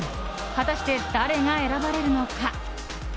果たして誰が選ばれるのか。